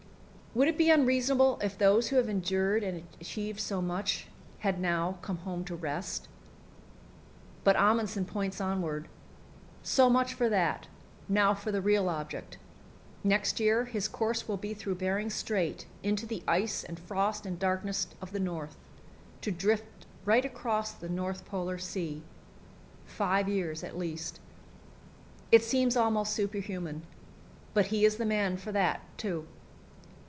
Would it be unreasonable if those who have endured and achieved so much had now come home to rest? But Amundsen points onward. So much for that; now for the real object. Next year his course will be through Behring Strait into the ice and frost and darkness of the North, to drift right across the North Polar Sea five years, at least. It seems almost superhuman; but he is the man for that, too.